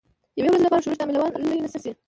یوې ورځې لپاره ښورښ تمویلولای نه شي.